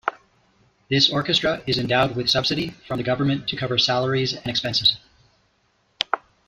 This orchestra is endowed with subsidy from the government to cover salaries and expenses.